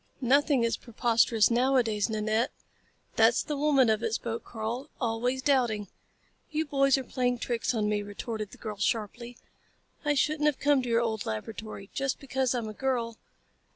"Nothing is preposterous nowadays, Nanette." "That's the woman of it," spoke Karl. "Always doubting." "You boys are playing tricks on me," retorted the girl sharply. "I shouldn't have come to your old laboratory. Just because I'm a girl...."